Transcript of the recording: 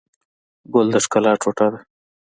ګل د ښکلا ټوټه ده.